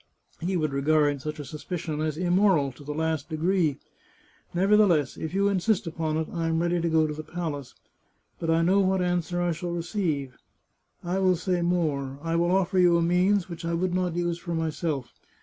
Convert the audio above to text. He would regard such a suspicion as immoral to the last degree. Nevertheless, if you insist upon it, I am ready to go to the palace. But I know what answer I shall receive. I will say more ; I will oflFer you a means which I would not use for myself.